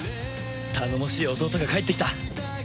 頼もしい弟が帰ってきた！